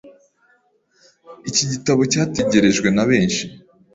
Iki gitabo cyategerejwe na benshi